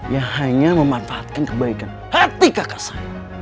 yang hanya memanfaatkan kebaikan hati kakak saya